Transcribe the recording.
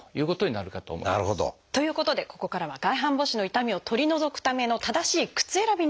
なるほど。ということでここからは外反母趾の痛みを取り除くための正しい靴選びについて見ていきます。